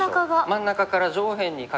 真ん中から上辺にかけて。